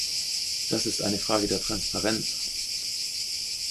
Das ist eine Frage der Transparenz.